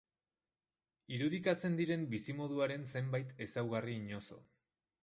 Irudikatzen diren bizimoduaren zenbait ezaugarri inozo.